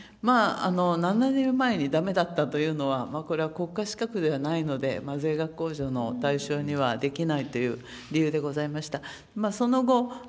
７年前にだめだったというのは、これは国家資格ではないので、税額控除の対象にはできないという理由でございました。